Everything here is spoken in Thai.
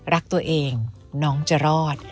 รักตัวเองน้องจะรอด